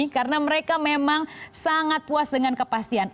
karena mereka memang sangat puas dengan kepastian